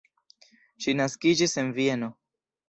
Ŝi naskiĝis en Vieno.